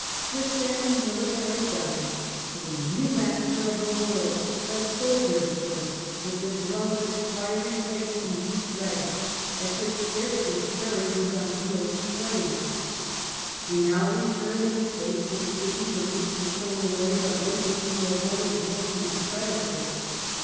With them in militai*)^ lius, guise came the new master of the world, the soldiers' choice, with the drunkard's fiery face and weak legs that could scarcely carry his unwieldy frame. He now returned in state to the city from which he stole away but lately to avoid importunate creditors.